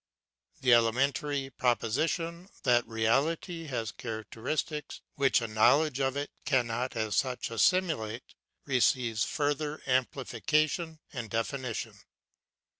The elementary proposition that Reality has characteristics which a knowledge of it cannot as such assimilate, receives further ampli fication and definition.